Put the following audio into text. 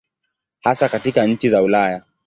Hasa katika nchi za Ulaya.